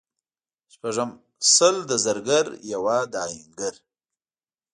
شپږم:سل د زرګر یوه د اهنګر